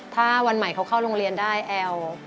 ถ้าวันใหม่เขาเข้าโรงเรียนได้แอล